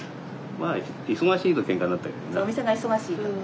まあ忙しいとけんかだったけど。